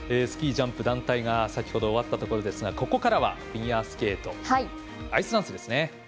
スキー・ジャンプ団体が先ほど終わったところですがここからはフィギュアスケートアイスダンスですね。